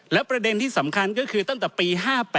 และประเด็นที่สำคัญก็คือตั้งแต่ปี๕๘